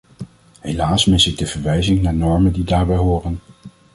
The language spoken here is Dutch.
Helaas mis ik de verwijzing naar normen die daarbij horen.